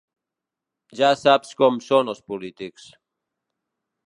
Ja saps com són els polítics.